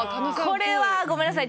これはごめんなさい。